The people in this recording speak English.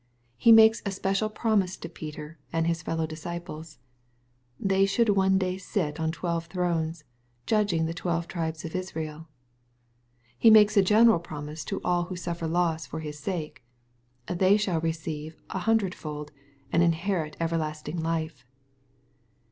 H« malces a special promise to Peter and hb fellow disciples :—" they should one day sit on twelve thrones, judging the twelve tribes of Israel." He makes a general promise to all who sufier loss for His sake :—^^ they should receive an hundred fold, and inherit everlasting life."